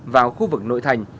vào khu vực nội thành